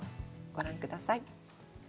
ご覧ください。